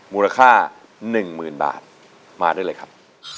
มูลค่าหนึ่งหมื่นบาทมาด้วยเลยครับ